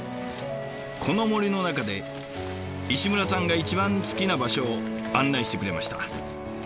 この森の中で石村さんが一番好きな場所を案内してくれました。